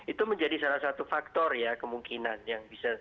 itu menjadi salah satu faktor ya kemungkinan yang bisa